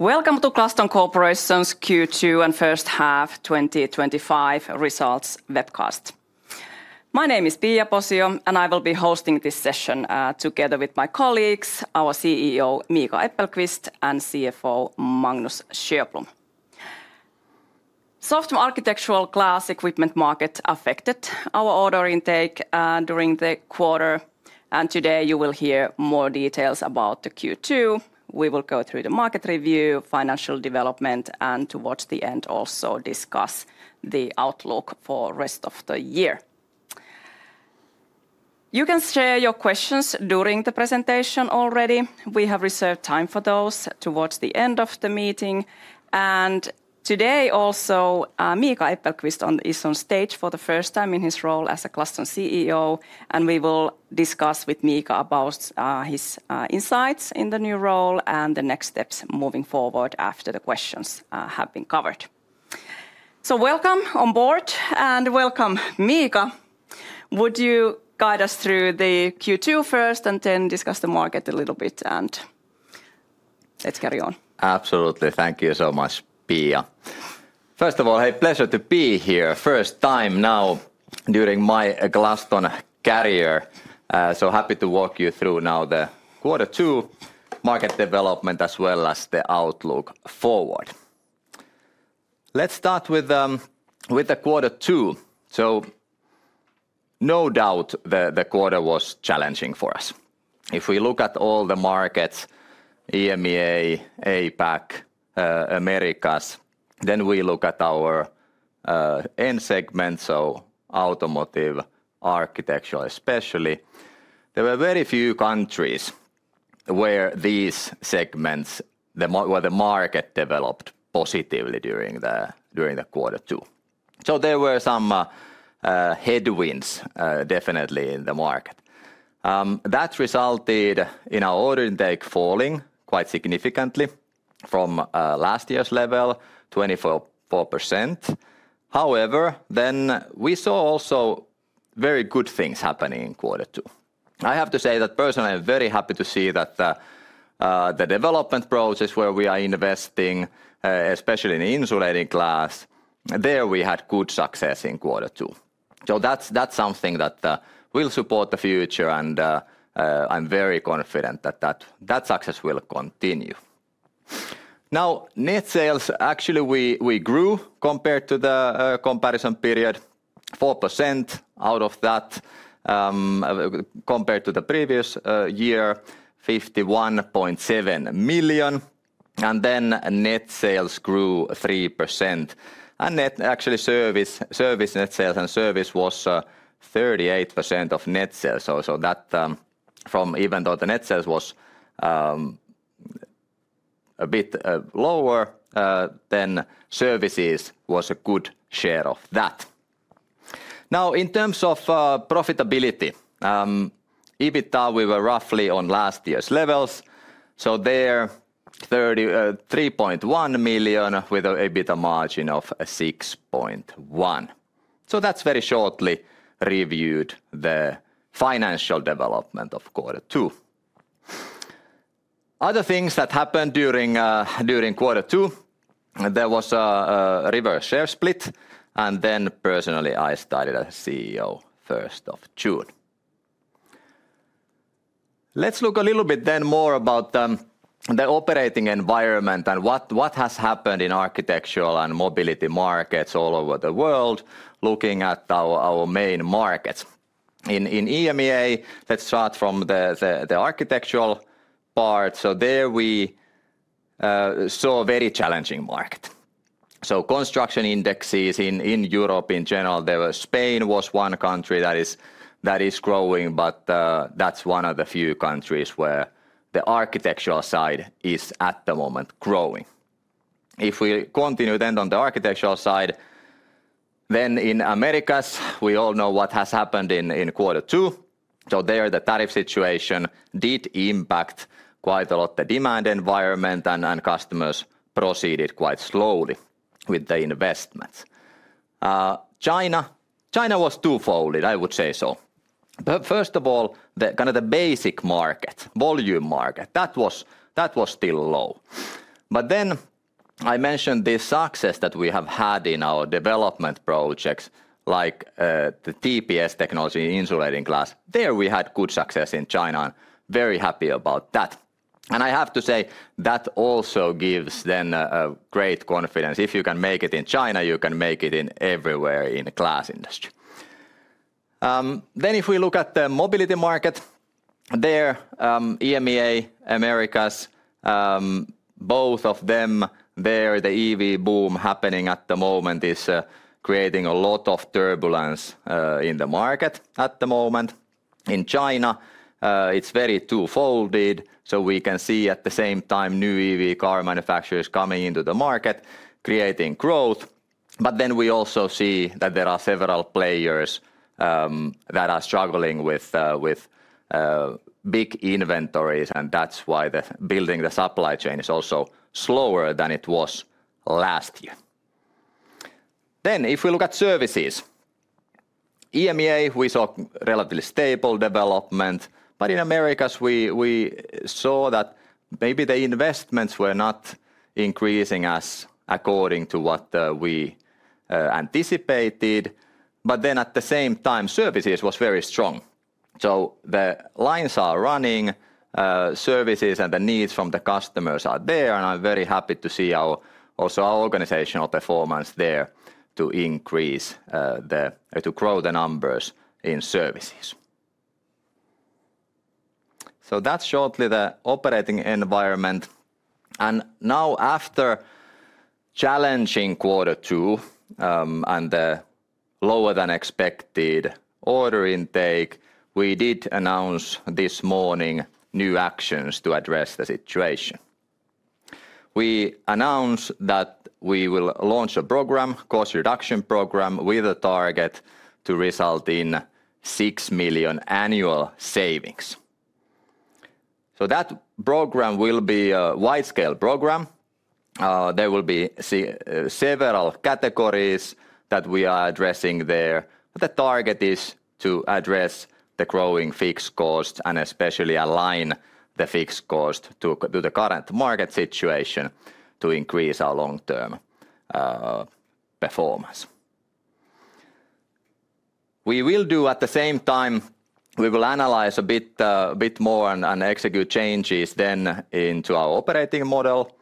Welcome to Glaston Corporation's Q2 and First Half 2025 Results Webcast. My name is Pia Posio, and I will be hosting this session together with my colleagues, our CEO Miika Äppelqvist and CFO Magnus Sjöblom. Software architectural glass equipment market affected our order intake during the quarter, and today you will hear more details about the Q2. We will go through the market review, financial development, and towards the end also discuss the outlook for the rest of the year. You can share your questions during the presentation already. We have reserved time for those towards the end of the meeting. Today also, Miika Äppelqvist is on stage for the first time in his role as a Glaston CEO, and we will discuss with Miika about his insights in the new role and the next steps moving forward after the questions have been covered. Welcome on board and welcome Miika. Would you guide us through the Q2 first and then discuss the market a little bit? Let's carry on. Absolutely. Thank you so much, Pia. First of all, hey, pleasure to be here. First time now during my Glaston career. So happy to walk you through now the quarter two market development as well as the outlook forward. Let's start with the quarter two. No doubt the quarter was challenging for us. If we look at all the markets, EMEA, APAC, Americas, then we look at our end segment, so automotive, architecture especially, there were very few countries where these segments, where the market developed positively during the quarter two. There were some headwinds definitely in the market. That resulted in our order intake falling quite significantly from last year's level, 24%. However, we saw also very good things happening in quarter two. I have to say that personally, I'm very happy to see that the development process where we are investing, especially in insulating glass, there we had good success in quarter two. That's something that will support the future, and I'm very confident that that success will continue. Now, net sales, actually, we grew compared to the comparison period, 4% out of that compared to the previous year, 51.7 million. Net sales grew 3%. Actually, service net sales and service was 38% of net sales. Even though the net sales was a bit lower, services was a good share of that. In terms of profitability, EBITDA, we were roughly on last year's levels. There 33.1 million with an EBITDA margin of 6.1%. That's very shortly reviewed the financial development of quarter two. Other things that happened during quarter two, there was a reverse share split, and personally, I started as CEO first of June. Let's look a little bit then more about the operating environment and what has happened in architectural and mobility markets all over the world, looking at our main markets. In EMEA, let's start from the architectural part. There we saw a very challenging market. Construction indexes in Europe in general, Spain was one country that is growing, but that's one of the few countries where the architectural side is at the moment growing. If we continue then on the architectural side, in Americas, we all know what has happened in quarter two. The tariff situation did impact quite a lot the demand environment and customers proceeded quite slowly with the investments. China, China was two-folded, I would say so. First of all, the kind of the basic market, volume market, that was still low. I mentioned this success that we have had in our development projects like the TPS technology in insulating glass. There we had good success in China and very happy about that. I have to say that also gives then great confidence. If you can make it in China, you can make it everywhere in the glass industry. If we look at the mobility market, there, EMEA, Americas, both of them, the EV boom happening at the moment is creating a lot of turbulence in the market at the moment. In China, it's very two-folded. We can see at the same time new EV car manufacturers coming into the market, creating growth. We also see that there are several players that are struggling with big inventories, and that's why building the supply chain is also slower than it was last year. If we look at services, EMEA, we saw relatively stable development. In Americas, we saw that maybe the investments were not increasing as according to what we anticipated. At the same time, services were very strong. The lines are running, services and the needs from the customers are there, and I'm very happy to see also our organizational performance there to increase, to grow the numbers in services. That's shortly the operating environment. Now after challenging quarter two and the lower than expected order intake, we did announce this morning new actions to address the situation. We announced that we will launch a program, cost reduction program, with a target to result in 6 million annual savings. That program will be a wide-scale program. There will be several categories that we are addressing there. The target is to address the growing fixed cost and especially align the fixed cost to the current market situation to increase our long-term performance. We will do at the same time, we will analyze a bit more and execute changes then into our operating model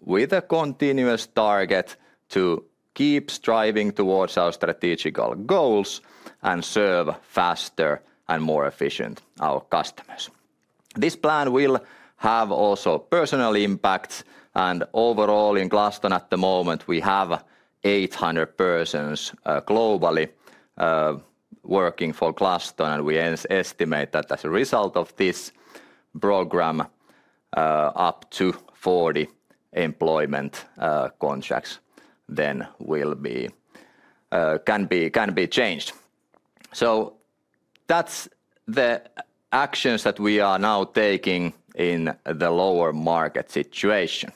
with a continuous target to keep striving towards our strategical goals and serve faster and more efficient our customers. This plan will have also personal impacts. Overall in Glaston at the moment, we have 800 persons globally working for Glaston, and we estimate that as a result of this program, up to 40 employment contracts then can be changed. That's the actions that we are now taking in the lower market situation.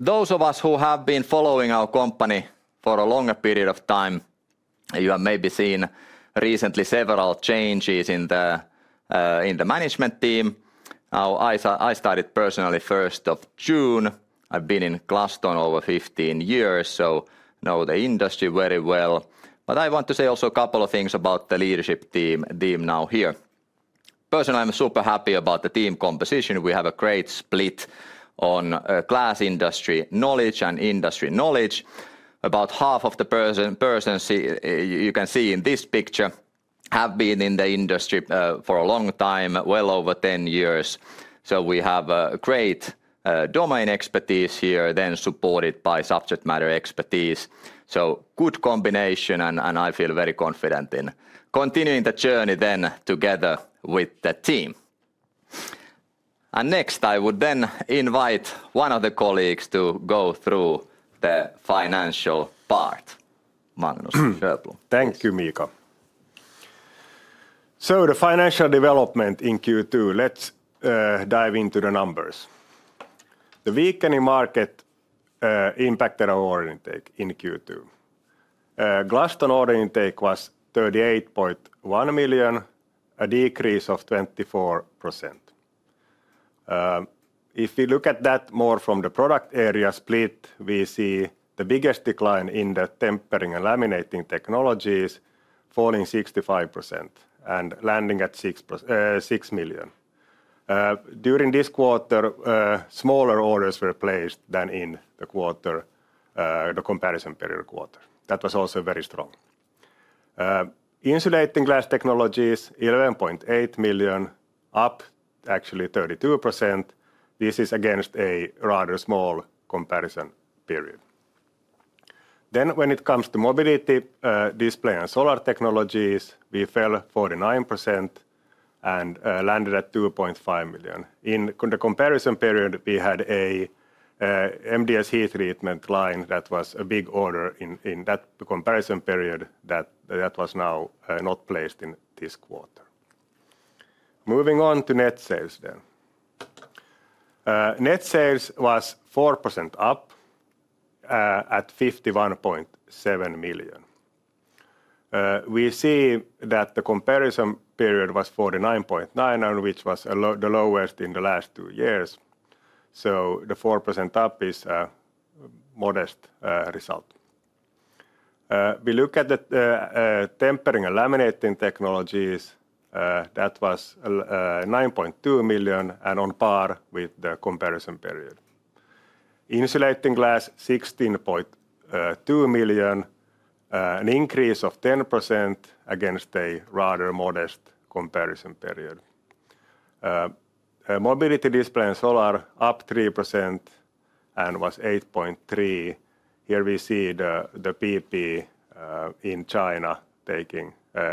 Those of us who have been following our company for a longer period of time have maybe seen recently several changes in the management team. I started personally first of June. I've been in Glaston over 15 years, so know the industry very well. I want to say also a couple of things about the leadership team now here. Personally, I'm super happy about the team composition. We have a great split on glass industry knowledge and industry knowledge. About half of the persons you can see in this picture have been in the industry for a long time, well over 10 years. We have a great domain expertise here then supported by subject matter expertise. Good combination, and I feel very confident in continuing the journey together with the team. Next, I would invite one of the colleagues to go through the financial part. Magnus Sjöblom. Thank you, Miika. The financial development in Q2, let's dive into the numbers. The weakening market impacted our order intake in Q2. Glaston order intake was 38.1 million, a decrease of 24%. If we look at that more from the product area split, we see the biggest decline in the tempering and laminating technologies falling 65% and landing at 6 million. During this quarter, smaller orders were placed than in the comparison period quarter. That was also very strong. Insulating glass technologies, 11.8 million, up actually 32%. This is against a rather small comparison period. When it comes to mobility, display and solar technologies, we fell 49% and landed at 2.5 million. In the comparison period, we had an MDS heat treatment line that was a big order in that comparison period that was now not placed in this quarter. Moving on to net sales. Net sales was 4% up at 51.7 million. We see that the comparison period was 49.9 million, which was the lowest in the last two years. The 4% up is a modest result. We look at the tempering and laminating technologies. That was 9.2 million and on par with the comparison period. Insulating glass, 16.2 million, an increase of 10% against a rather modest comparison period. Mobility display and solar, up 3% and was 8.3 million. Here we see the PP in China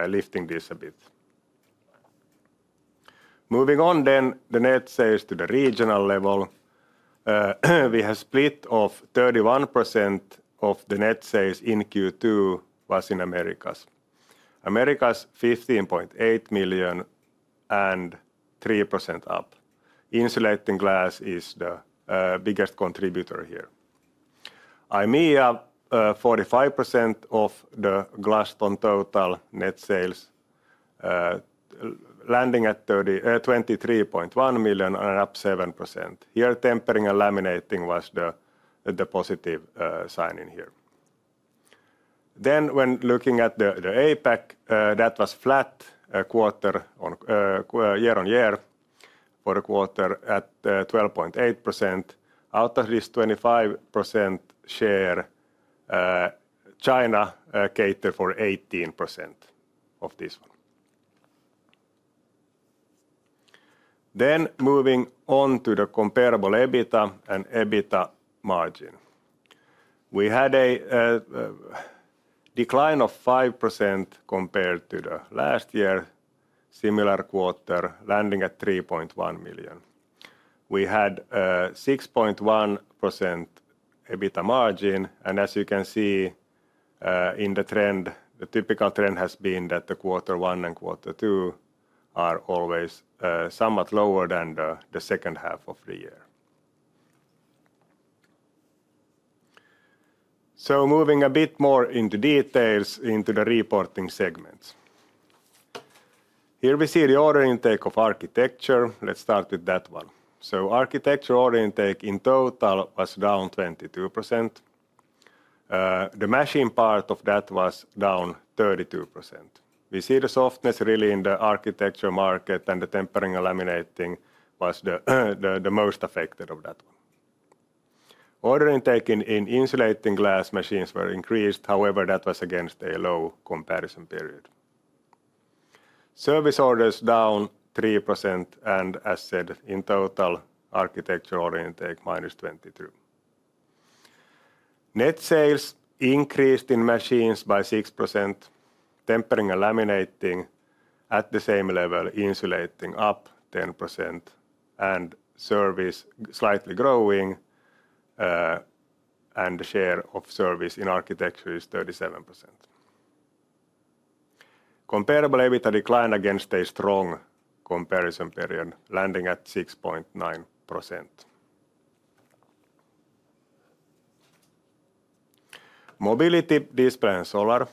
lifting this a bit. Moving on, the net sales to the regional level. We have a split of 31% of the net sales in Q2 was in Americas. Americas, 15.8 million and 3% up. Insulating glass is the biggest contributor here. EMEA, 45% of the Glaston total net sales, landing at 23.1 million and up 7%. Here, tempering and laminating was the positive sign in here. When looking at the APAC, that was flat quarter year on year, quarter quarter at 12.8%. Out of this 25% share, China catered for 18% of this one. Moving on to the comparable EBITDA and EBITDA margin, we had a decline of 5% compared to the last year, similar quarter, landing at 3.1 million. We had 6.1% EBITDA margin, and as you can see in the trend, the typical trend has been that the quarter one and quarter two are always somewhat lower than the second half of the year. Moving a bit more into details into the reporting segments, here we see the order intake of architecture. Let's start with that one. Architecture order intake in total was down 22%. The machine part of that was down 32%. We see the softness really in the architecture market, and the tempering and laminating was the most affected of that one. Order intake in insulating glass machines were increased, however, that was against a low comparison period. Service orders down 3%, and as said, in total, architecture order intake -22%. Net sales increased in machines by 6%. Tempering and laminating at the same level, insulating up 10%, and service slightly growing, and the share of service in architecture is 37%. Comparable EBITDA decline against a strong comparison period, landing at 6.9%. Mobility display and solar,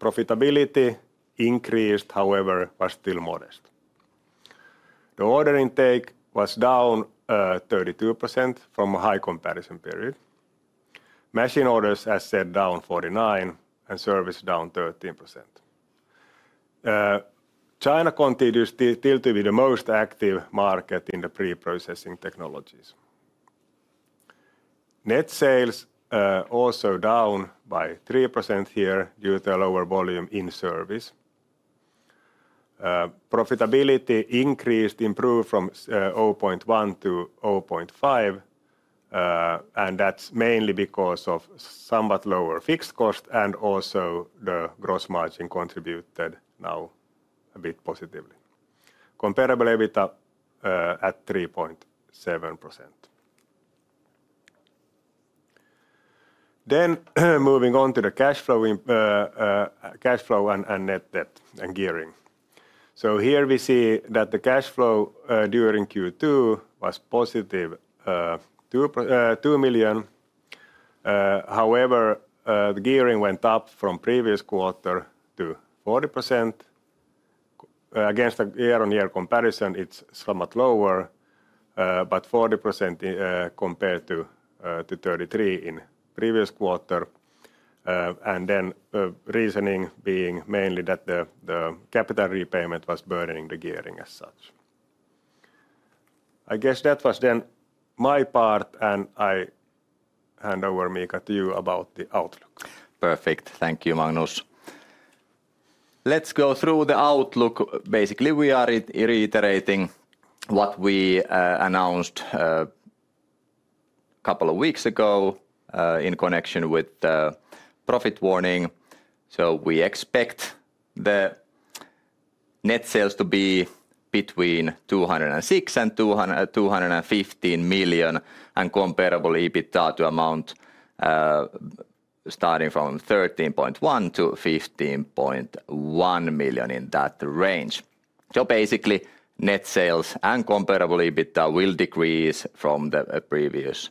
profitability increased, however, was still modest. The order intake was down 32% from a high comparison period. Machine orders, as said, down 49%, and service down 13%. China continues still to be the most active market in the pre-processing technologies. Net sales also down by 3% here due to a lower volume in service. Profitability increased, improved from 0.1%-0.5%, and that's mainly because of somewhat lower fixed cost and also the gross margin contributed now a bit positively. Comparable EBITDA at 3.7%. Moving on to the cash flow and net debt and gearing, here we see that the cash flow during Q2 was +EUR 2 million. However, the gearing went up from previous quarter to 40%. Against a year-on-year comparison, it's somewhat lower, but 40% compared to 33% in previous quarter. The reasoning being mainly that the capital repayment was burdening the gearing as such. I guess that was then my part, and I hand over, Miika, to you about the outlook. Perfect. Thank you, Magnus. Let's go through the outlook. Basically, we are reiterating what we announced a couple of weeks ago in connection with the profit warning. We expect the net sales to be between 206 million and 215 million and comparable EBITDA to amount starting from 13.1 million-15.1 million in that range. Net sales and comparable EBITDA will decrease from the previous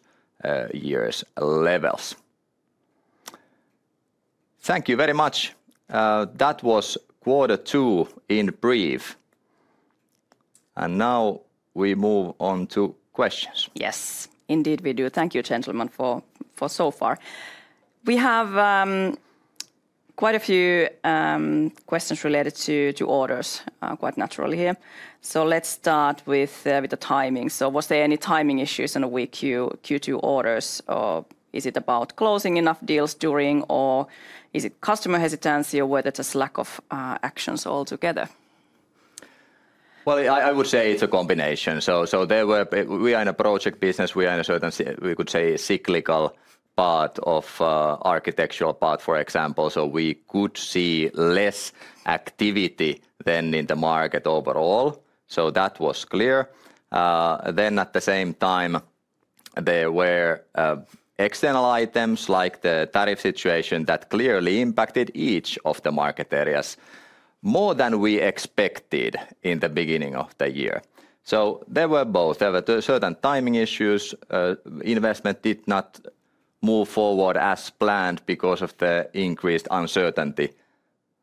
year's levels. Thank you very much. That was quarter two in brief. Now we move on to questions. Yes, indeed we do. Thank you, gentlemen, for so far. We have quite a few questions related to orders quite naturally here. Let's start with the timing. Was there any timing issues in the weak Q2 orders? Is it about closing enough deals during, or is it customer hesitancy or whether it's a slack of actions altogether? It is a combination. We are in a project business. We are in a certain, we could say, cyclical part of the architectural part, for example. We could see less activity than in the market overall. That was clear. At the same time, there were external items like the tariff situation that clearly impacted each of the market areas more than we expected in the beginning of the year. There were both. There were certain timing issues. Investment did not move forward as planned because of the increased uncertainty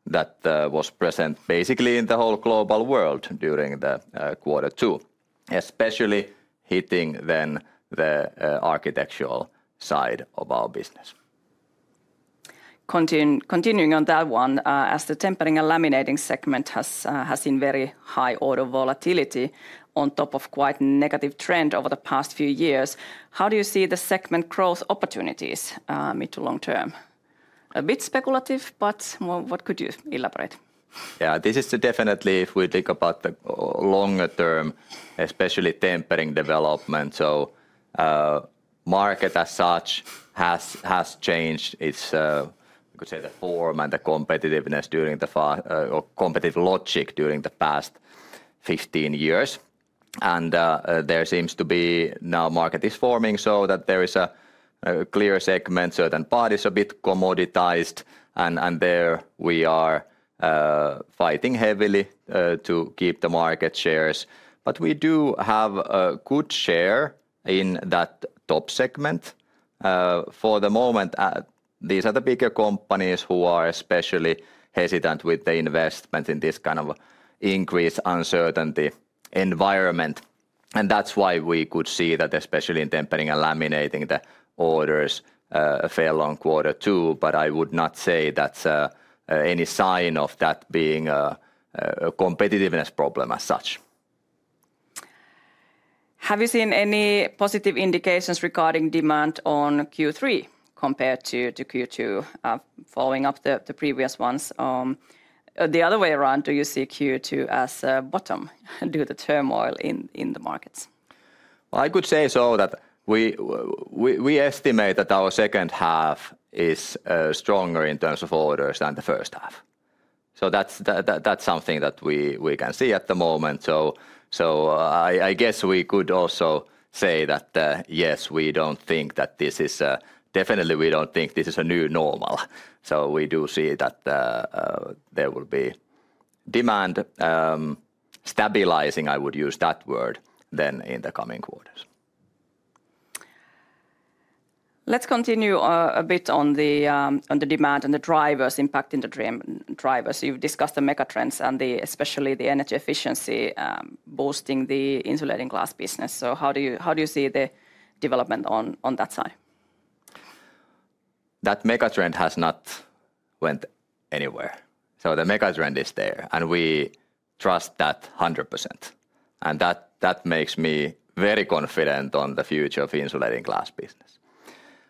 that was present basically in the whole global world during quarter two, especially hitting the architectural side of our business. Continuing on that one, as the tempering and laminating segment has seen very high order volatility on top of quite a negative trend over the past few years, how do you see the segment growth opportunities mid to long term? A bit speculative, but what could you elaborate? Yeah, this is definitely if we think about the longer term, especially tempering development. The market as such has changed its, I could say, the form and the competitiveness during the past, or competitive logic during the past 15 years. There seems to be now the market is forming so that there is a clear segment. Certain parties are a bit commoditized, and there we are fighting heavily to keep the market shares. We do have a good share in that top segment. For the moment, these are the bigger companies who are especially hesitant with the investment in this kind of increased uncertainty environment. That is why we could see that especially in tempering and laminating, the orders fell on quarter two. I would not say that's any sign of that being a competitiveness problem as such. Have you seen any positive indications regarding demand on Q3 compared to Q2 following up the previous ones? The other way around, do you see Q2 as a bottom due to the turmoil in the markets? I could say that we estimate that our second half is stronger in terms of orders than the first half. That's something that we can see at the moment. I guess we could also say that yes, we don't think that this is definitely, we don't think this is a new normal. We do see that there will be demand stabilizing, I would use that word, in the coming quarters. Let's continue a bit on the demand and the drivers impacting the drivers. You've discussed the megatrends, especially the energy efficiency boosting the insulating glass business. How do you see the development on that side? That megatrend has not gone anywhere. The megatrend is there, and we trust that 100%. That makes me very confident on the future of the insulating glass business.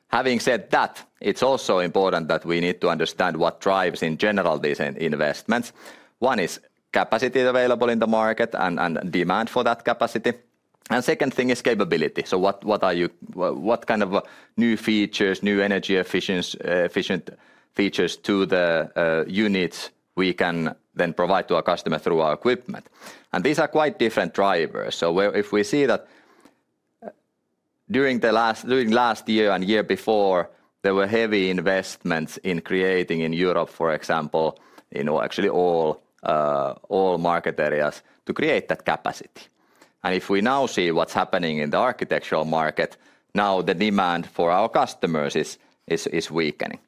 Having said that, it's also important that we need to understand what drives in general these investments. One is capacity available in the market and demand for that capacity. The second thing is capability. What kind of new features, new energy efficient features to the units we can then provide to our customer through our equipment? These are quite different drivers. If we see that during the last year and year before, there were heavy investments in creating in Europe, for example, in actually all market areas to create that capacity. If we now see what's happening in the architectural market, now the demand for our customers is weakening.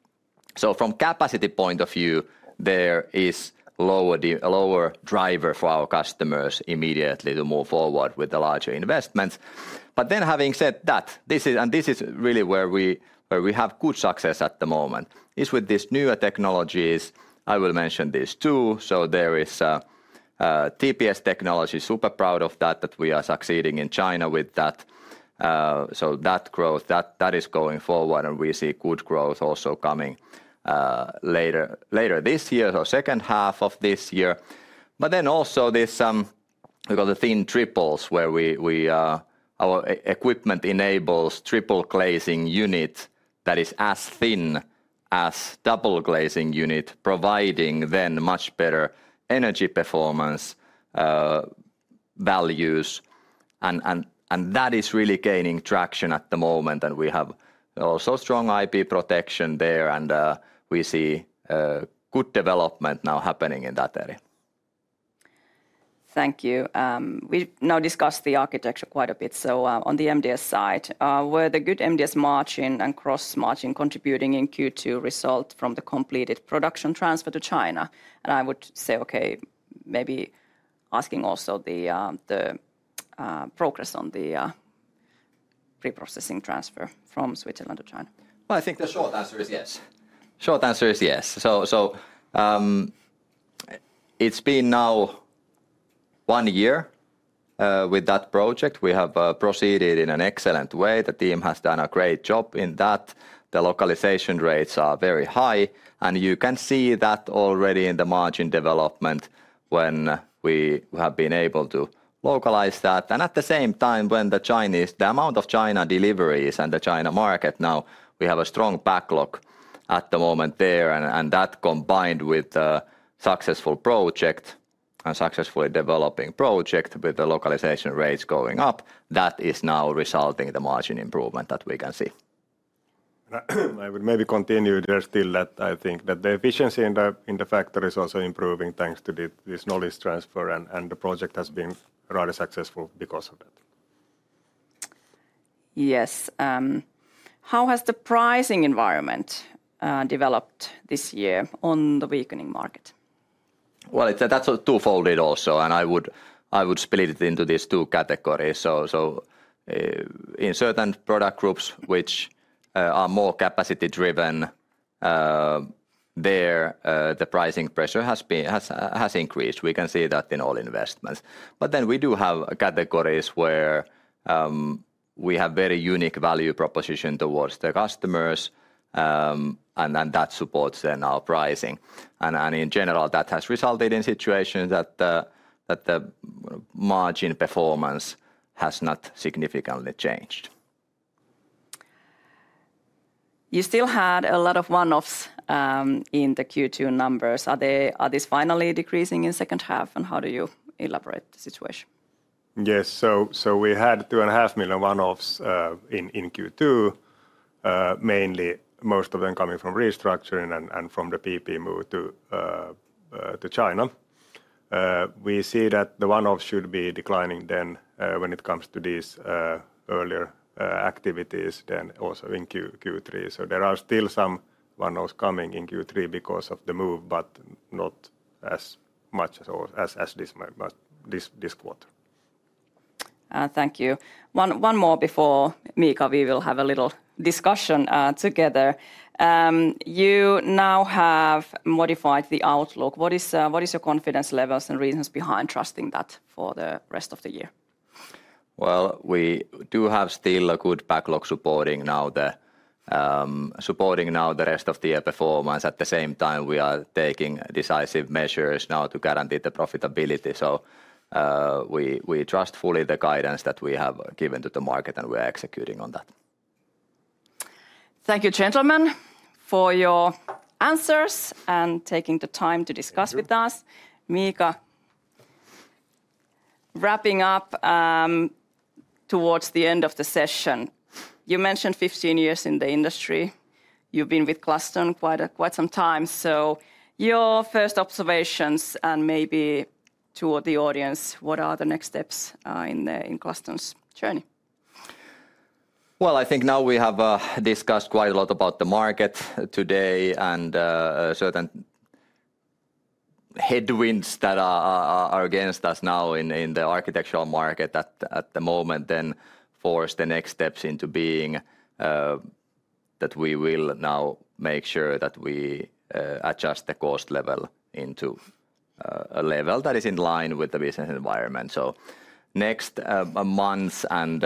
From a capacity point of view, there is a lower driver for our customers immediately to move forward with the larger investments. Having said that, and this is really where we have good success at the moment, is with these newer technologies. I will mention this too. There is a TPS technology, super proud of that, that we are succeeding in China with that. That growth is going forward, and we see good growth also coming later this year, so second half of this year. Also, there's some thin triple glazing where our equipment enables triple glazing unit that is as thin as double glazing unit, providing then much better energy performance values. That is really gaining traction at the moment. We have also strong IP protection there, and we see good development now happening in that area. Thank you. We now discussed the architecture quite a bit. On the MDS side, were the good MDS margin and gross margin contributing in Q2 result from the completed production transfer to China? I would say, okay, maybe asking also the progress on the pre-processing transfer from Switzerland to China. I think the short answer is yes. The short answer is yes. It's been now one year with that project. We have proceeded in an excellent way. The team has done a great job in that. The localization rates are very high, and you can see that already in the margin development when we have been able to localize that. At the same time, when the amount of China deliveries and the China market now, we have a strong backlog at the moment there. That combined with a successful project and successfully developing project with the localization rates going up, that is now resulting in the margin improvement that we can see. I would maybe continue there still that I think that the efficiency in the factory is also improving thanks to this knowledge transfer, and the project has been rather successful because of that. Yes. How has the pricing environment developed this year on the weakening market? That's two-folded also, and I would split it into these two categories. In certain product groups which are more capacity-driven, the pricing pressure has increased. We can see that in all investments. We do have categories where we have very unique value proposition towards the customers, and that supports then our pricing. In general, that has resulted in situations that the margin performance has not significantly changed. You still had a lot of one-offs in the Q2 numbers. Are these finally decreasing in the second half, and how do you elaborate the situation? Yes, we had 2.5 million one-offs in Q2, mainly most of them coming from restructuring and from the pre-processing move to China. We see that the one-offs should be declining when it comes to these earlier activities in Q3. There are still some one-offs coming in Q3 because of the move, but not as much as this quarter. Thank you. One more before we will have a little discussion together. You now have modified the outlook. What is your confidence levels and reasons behind trusting that for the rest of the year? We do have still a good backlog supporting now the rest of the year performance. At the same time, we are taking decisive measures now to guarantee the profitability. We trust fully the guidance that we have given to the market, and we are executing on that. Thank you, gentlemen, for your answers and taking the time to discuss with us. Miika, wrapping up towards the end of the session, you mentioned 15 years in the industry. You've been with Glaston quite some time. Your first observations and maybe to the audience, what are the next steps in Glaston's journey? I think now we have discussed quite a lot about the market today and certain headwinds that are against us now in the architectural market at the moment. The next steps are that we will now make sure that we adjust the cost level into a level that is in line with the business environment. In the next months and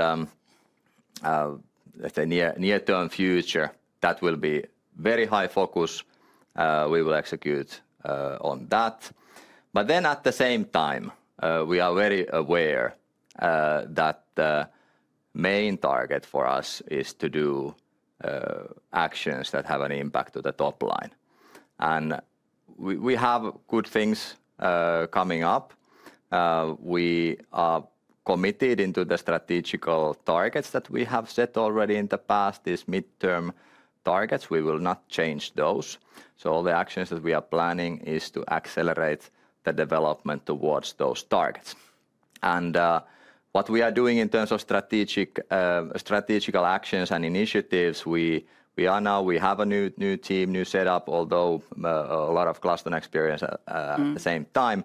the near-term future, that will be very high focus. We will execute on that. At the same time, we are very aware that the main target for us is to do actions that have an impact to the top line. We have good things coming up. We are committed into the strategical targets that we have set already in the past. These mid-term targets, we will not change those. All the actions that we are planning are to accelerate the development towards those targets. What we are doing in terms of strategic strategical actions and initiatives, we are now, we have a new team, new setup, although a lot of Glaston experience at the same time.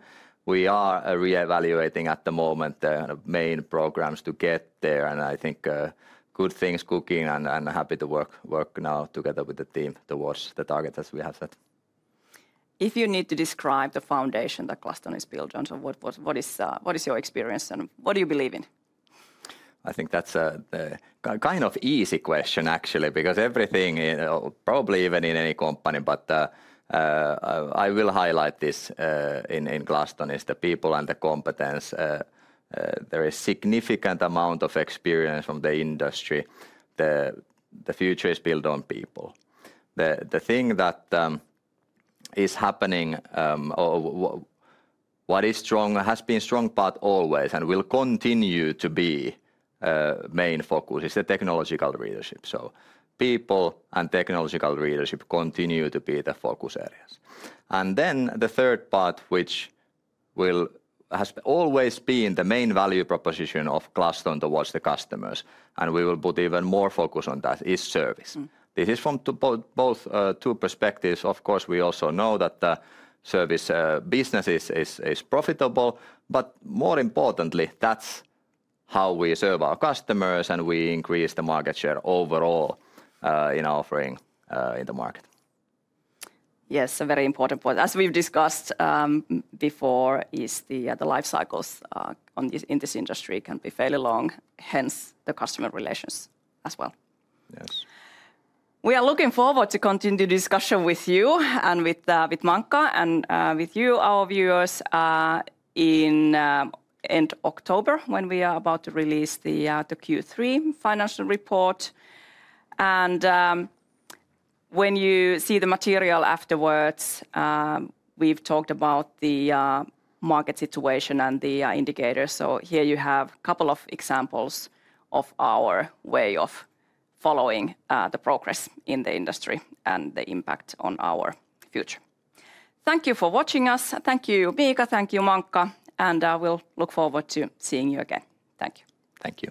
I will highlight this in Glaston, is the people and the competence. There is a significant amount of experience from the industry. The future is built on people. The thing that is happening, what is strong, has been a strong part always and will continue to be the main focus, is the technological leadership. People and technological leadership continue to be the focus areas. The third part, which has always been the main value proposition of Glaston towards the customers, and we will put even more focus on that, is service. This is from both two perspectives. Of course, we also know that the service business is profitable, but more importantly, that's how we serve our customers and we increase the market share overall in our offering in the market. Yes, a very important point. As we've discussed before, the life cycles in this industry can be fairly long, hence the customer relations as well. Yes. We are looking forward to continuing discussion with you and with Miika and with you, our viewers, at the end of October when we are about to release the Q3 financial report. When you see the material afterwards, we've talked about the market situation and the indicators. Here you have a couple of examples of our way of following the progress in the industry and the impact on our future. Thank you for watching us. Thank you, Miika. Thank you, Magnus. We look forward to seeing you again. Thank you. Thank you.